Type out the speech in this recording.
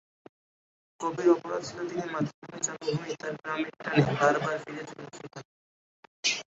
কবির অপরাধ ছিল তিনি মাতৃভূমি-জন্মভূমি তার গ্রামের টানে বার বার ফিরে যেতেন সেখানে।